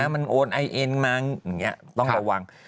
มันโอนไอเอ็นมั้งอย่างนี้ต้องระวัง